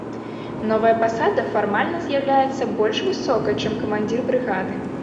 Новая пасада фармальна з'яўляецца больш высокай, чым камандзір брыгады.